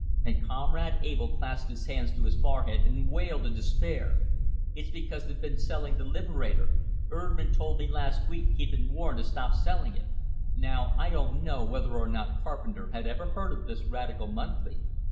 And Comrade Abell clasped his hands to his forehead, and wailed in despair, "It's because they've been selling the 'Liberator'! Erman told me last week he'd been warned to stop selling it!" Now, I don't know whether or not Carpenter had ever heard of this radical monthly.